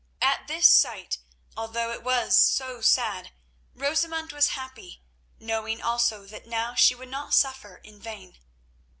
At this sight, although it was so sad, Rosamund was happy, knowing also that now she would not suffer in vain.